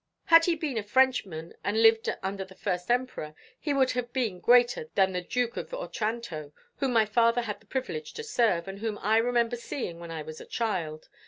"Had he been a Frenchman and lived under the first Emperor, he would have been greater than the Duke of Otranto, whom my father had the privilege to serve, and whom I remember seeing when I was a child.